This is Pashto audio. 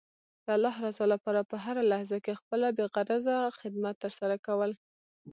د الله رضا لپاره په هره لحظه کې خپله بې غرضه خدمت ترسره کول.